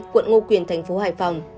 quận ngô quyền thành phố hải phòng